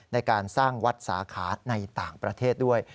ในการสร้างวัดสาขาในต่างประเทศด้วย